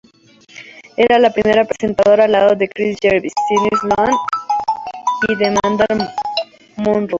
Era la primera presentadora, al lado de Chris Jarvis, Sidney Sloane, y Demandar Monroe.